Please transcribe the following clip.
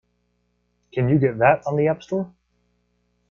Can you get that on the App Store?